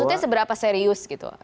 maksudnya seberapa serius gitu